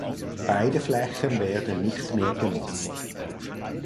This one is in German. Beide Flächen werden nicht mehr genutzt.